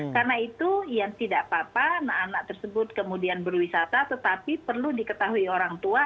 karena itu yang tidak apa apa anak anak tersebut kemudian berwisata tetapi perlu diketahui orang tua